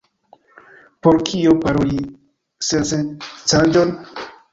Por kio paroli sensencaĵon?